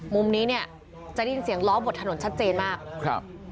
มุมนี้เนี่ยจะได้ยินเสียงล้อบนถนนชัดเจนมากครับ